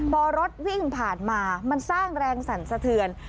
พอรถวิ่งผ่านมามันสร้างแรงสั่นสะเทือน